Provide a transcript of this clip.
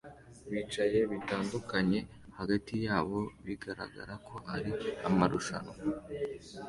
bicaye bitandukanye hagati yabo bigaragara ko ari amarushanwa